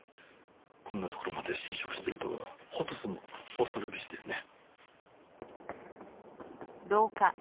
こんな所まで侵食してるとは『フォトス』も恐るべしですね。